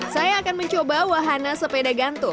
saya akan mencoba wahana sepeda gantung